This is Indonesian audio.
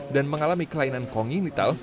dan mengalami kelainan konginital